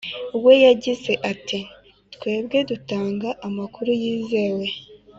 we yagize ati twebwe dutanga amakuru yizewe